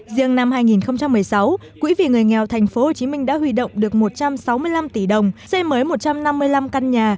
riêng năm hai nghìn một mươi sáu quỹ vì người nghèo tp hcm đã huy động được một trăm sáu mươi năm tỷ đồng xây mới một trăm năm mươi năm căn nhà